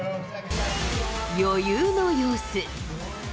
余裕の様子。